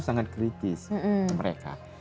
sangat kritis mereka